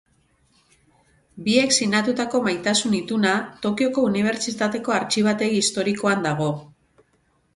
Biek sinatutako maitasun ituna, Tokioko Unibertsitateko Artxibategi Historikoan dago.